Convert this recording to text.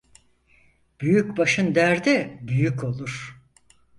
Büyük başın derdi büyük olur.